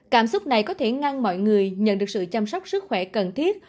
cảm xúc này có thể ngăn mọi người nhận được sự chăm sóc sức khỏe cần thiết